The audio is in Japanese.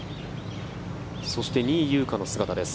そして仁井優花の姿です。